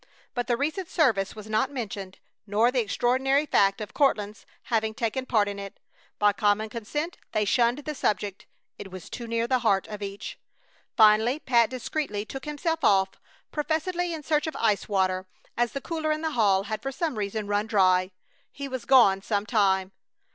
But the recent service was not mentioned, nor the extraordinary fact of Courtland's having taken part in it. By common consent they shunned the subject. It was too near the heart of each. Finally Pat discreetly took himself off, professedly in search of ice water, as the cooler in the hall had for some reason run dry. He was gone some time.